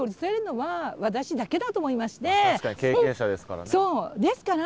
確かに経験者ですからね。